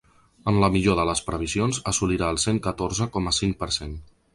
En la millor de les previsions assolirà el cent catorze coma cinc per cent.